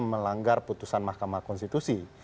melanggar putusan mahkamah konstitusi